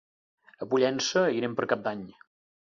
A Pollença hi anem per Cap d'Any.